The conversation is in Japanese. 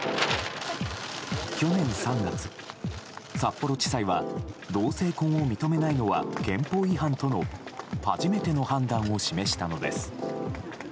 去年３月、札幌地裁は同性婚を認めないのは憲法違反との初めての判断を示したのです。